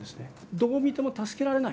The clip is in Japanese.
どう見ても助けられない